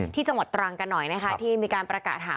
จังหวัดตรังกันหน่อยนะคะที่มีการประกาศหา